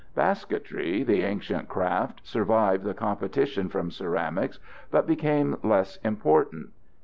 ] Basketry, the ancient craft, survived the competition from ceramics but became less important.